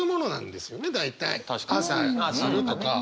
朝するとか。